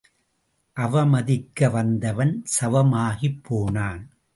அவமதிக்க வந்தவன் சவமாகிப் போனான்!